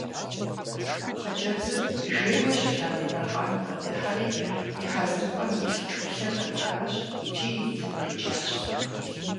Хъыджэбзыр жейуэ щылъ Андемыркъан бгъэдыхьэри и хьэзырыпӀэм илъ тхылъыр кърихащ икӀи итым къеджащ.